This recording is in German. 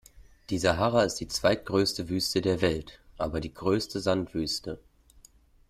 Die Sahara ist die zweitgrößte Wüste der Welt, aber die größte Sandwüste.